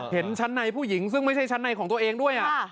เห็นชั้นในผู้หญิงซึ่งไม่ใช่ชั้นในของตัวเองด้วย